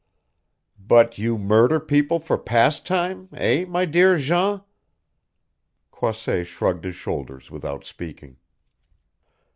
"But you murder people for pastime eh, my dear Jean?" Croisset shrugged his shoulders without speaking.